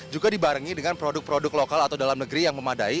juga dibarengi dengan produk produk lokal atau dalam negeri yang memadai